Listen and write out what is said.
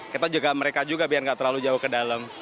kita juga mereka juga biar nggak terlalu jauh ke dalam